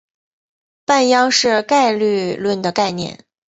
半鞅是概率论的概念。